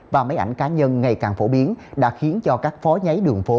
và máy ảnh cá nhân ngày càng phổ biến đã khiến cho các phó nháy đường phố